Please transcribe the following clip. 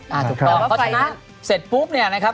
เขาชนะเสร็จปุ๊บนะครับ